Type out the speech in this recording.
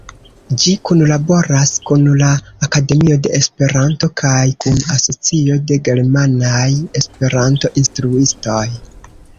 Ĝi kunlaboras kun la Akademio de Esperanto kaj kun Asocio de Germanaj Esperanto-Instruistoj.